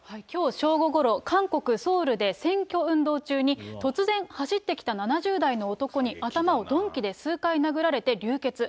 きょう正午ごろ、韓国・ソウルで選挙運動中に、突然、走ってきた７０代の男に頭を鈍器で数回殴られて流血。